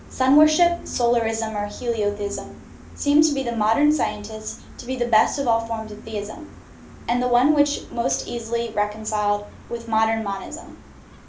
Sun worship (solarism, or heliotheism) seems to the modern scientist to be the best of all forms of theism, and the one which may be most easily reconciled with modern monism.